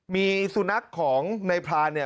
มีสุนัขของในพรานเนี่ย